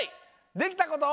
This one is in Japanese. できたことはい！